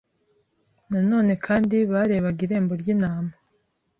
Nanone kandi barebaga irembo ry'intama